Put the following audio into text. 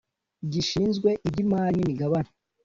gishinzwe iby Imari n Imigabane